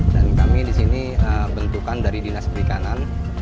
dan kami disini bentukan dari dinas berikanan